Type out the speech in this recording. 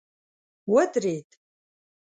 ودريد.